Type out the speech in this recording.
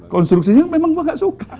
konstruksinya memang saya tidak suka